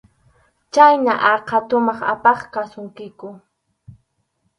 Chhayna aqha tumaq apaq kasunkiku.